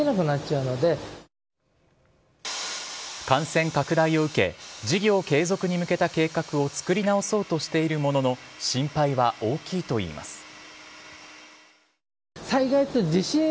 感染拡大を受け事業継続に向けた計画を作り直そうとしているものの心配は大きいといいます。